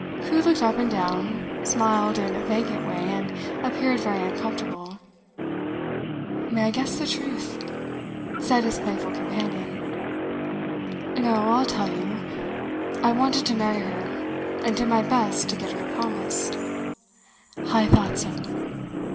Crewe looked up and down, smiled in a vacant way, and appeared very uncomfortable. 'May I guess the truth?' said his playful companion. 'No, I'll tell you. I wanted to marry her, and did my best to get her to promise.' 'I thought so!